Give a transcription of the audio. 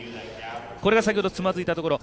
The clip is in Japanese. これが先ほどつまずいたところ。